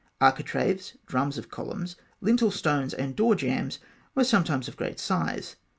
Architraves, drums of columns, lintel stones, and door jambs were sometimes of great size.